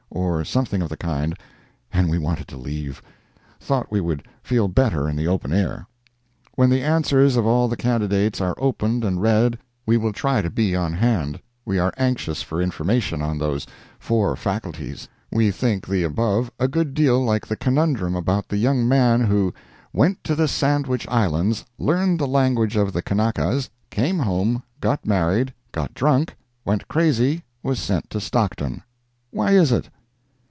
or something of the kind, and we wanted to leave—thought we would feel better in the open air. When the answers of all the candidates are opened and read we will try to be on hand; we are anxious for information on those "four faculties." We think the above a good deal like the conundrum about the young man who "went to the Sandwich Islands; learned the language of the Kanakas, came home, got married, got drunk, went crazy, was sent to Stockton—Why is it?"